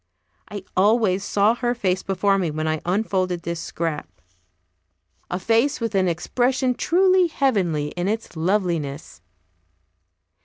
I always saw her face before me when I unfolded this scrap, a face with an expression truly heavenly in its loveliness.